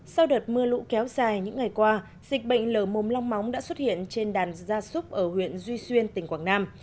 sau đợt mưa lũ kéo dài những ngày qua dịch bệnh lở mồm long móng đã xuất hiện trên đàn gia súc ở huyện duy xuyên tỉnh quảng nam